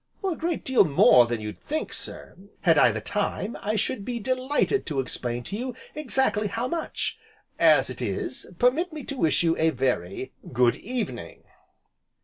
"A great deal more than you'd think sir. Had I the time, I should be delighted to explain to you exactly how much, as it is, permit me to wish you a very good evening!"